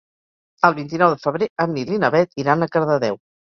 El vint-i-nou de febrer en Nil i na Bet iran a Cardedeu.